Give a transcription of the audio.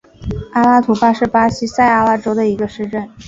阿拉图巴是巴西塞阿拉州的一个市镇。